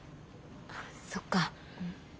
そっか。